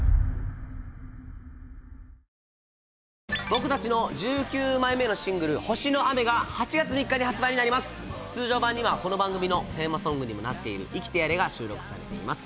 僕達の１９枚目のシングル「星の雨」が８月３日に発売になります通常盤にはこの番組のテーマソングにもなっている「イキテヤレ」が収録されています